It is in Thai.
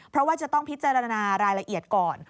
เพราะว่าจะต้องพิจารณารายละเอียดก่อน